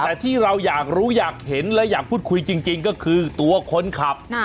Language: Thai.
แต่ที่เราอยากรู้อยากเห็นและอยากพูดคุยจริงก็คือตัวคนขับ